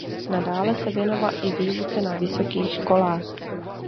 Nadále se věnoval i výuce na vysokých školách.